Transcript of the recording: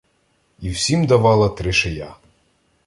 І всім давала тришия.